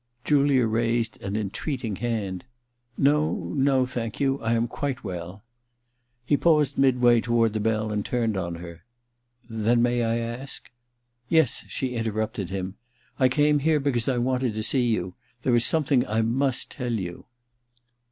Julia raised an entreating hand. ^No ^ no — ^thank you. I am quite well.' He paused midway toward the bell, and turned on her. * Then may I ask ?' *Yes,' she interrupted him. *I came here because I wanted to see you. There is some thing I must tell you.'